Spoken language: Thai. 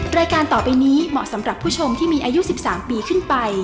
รายการต่อไปนี้เหมาะสำหรับผู้ชมที่มีอายุ๑๓ปีขึ้นไป